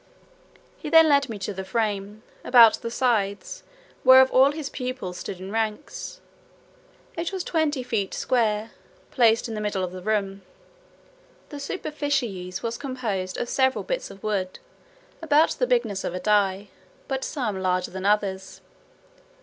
He then led me to the frame, about the sides, whereof all his pupils stood in ranks. It was twenty feet square, placed in the middle of the room. The superficies was composed of several bits of wood, about the bigness of a die, but some larger than others.